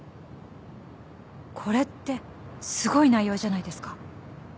これってすごい内容じゃないですか。